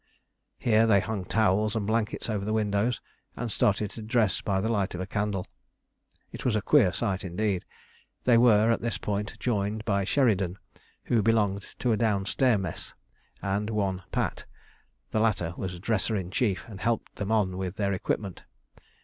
Here they hung towels and blankets over the windows, and started to dress by the light of a candle. It was a queer sight indeed. They were, at this point, joined by Sheridan, who belonged to a downstair mess, and one Pat. The latter was dresser in chief, and helped them on with their equipment.